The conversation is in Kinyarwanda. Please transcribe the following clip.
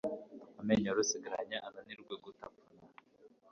amenyo wari usigaranye ananirwe gutapfuna